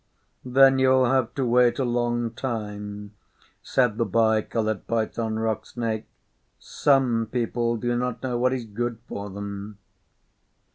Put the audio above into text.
'Then you will have to wait a long time, said the Bi Coloured Python Rock Snake. 'Some people do not know what is good for them.